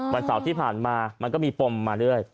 วันเสาร์ที่ผ่านมามันก็มีปมมาเรื่อย